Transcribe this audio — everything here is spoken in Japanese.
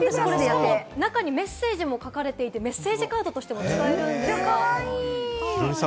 中にメッセージも書かれていて、メッセージカードとしても使えます。